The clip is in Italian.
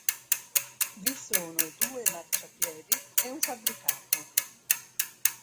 Vi sono due marciapiedi e un fabbricato.